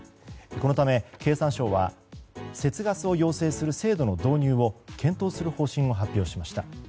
このため経産省は節ガスを要請する制度の導入を検討する方針を発表しました。